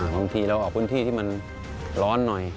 บางทีเราออกพื้นที่ที่มันร้อนหน่อย